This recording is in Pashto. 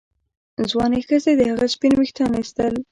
ځوانې ښځې د هغه سپین ویښتان ایستل.